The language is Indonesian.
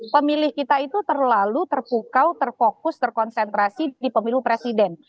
pemilih kita itu terlalu terpukau terfokus terkonsentrasi di pemilu presiden